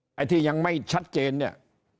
แต่ที่ยังไม่ชัดเจนเนี่ย